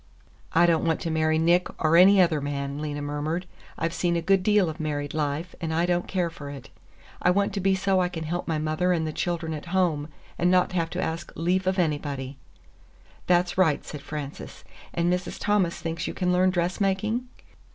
"I don't want to marry Nick, or any other man," Lena murmured. "I've seen a good deal of married life, and I don't care for it. I want to be so I can help my mother and the children at home, and not have to ask lief of anybody." "That's right," said Frances. "And Mrs. Thomas thinks you can learn dressmaking?"